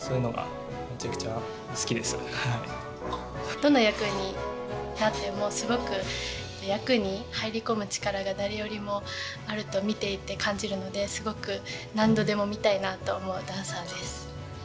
どの役になってもすごく役に入り込む力が誰よりもあると見ていて感じるのですごく何度でも見たいなと思うダンサーです。